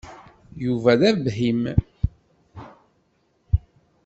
Yuba d abhim.